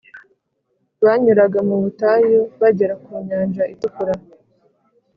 banyuraga mu butayu bagera ku Nyanja Itukura